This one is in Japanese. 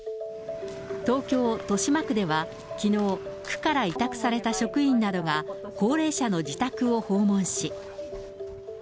東京・豊島区ではきのう、区から委託された職員などが、高齢者の自宅を訪問し。